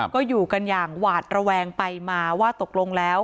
ก็อยู่กันอย่างหวาดระแวงไปมาว่าตกลงแล้ว